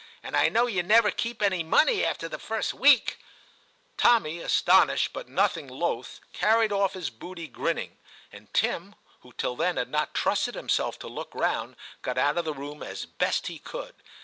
and I know you never keep any money after the first week/ Tommy, astonished but nothing loth, carried off his booty grinning ; and Tim, who till then had not trusted himself to look round, got out of the room as best he could.